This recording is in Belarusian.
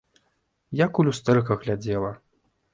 Як у люстэрка глядзела!